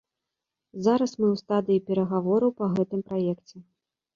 Зараз мы ў стадыі перагавораў па гэтым праекце.